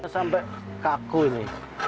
sampai kaku ini